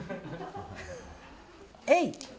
えい！